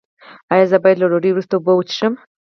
ایا زه باید له ډوډۍ وروسته اوبه وڅښم؟